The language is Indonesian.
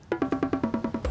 kopi yang helak tuh